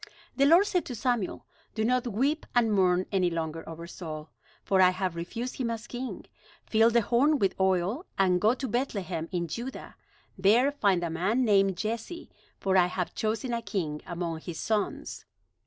The Lord said to Samuel: "Do not weep and mourn any longer over Saul, for I have refused him as king. Fill the horn with oil, and go to Bethlehem in Judah. There find a man named Jesse, for I have chosen a king among his sons."